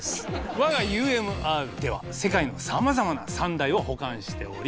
我がＵＭＲでは世界のさまざまな三大を保管しております。